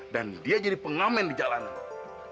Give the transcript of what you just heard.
dan dia jadi pengamen di jalanan